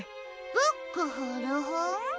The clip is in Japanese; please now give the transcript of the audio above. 「ブックフルホン」？